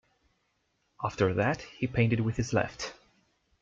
After that he painted with his left.